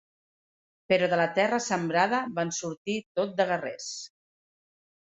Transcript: Però de la terra sembrada van sortir tot de guerrers.